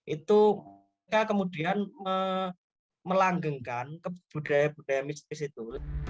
itu mereka kemudian melanggengkan budaya budaya mistis itu